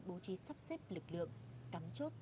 bố trí sắp xếp lực lượng cắm chốt